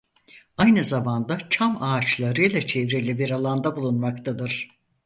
Aynı zamanda çam ağaçlarıyla çevrili bir alanda bulunmaktadır.